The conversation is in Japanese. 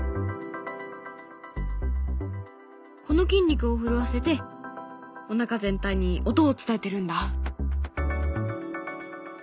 この筋肉を震わせておなか全体に音を伝えてるんだ。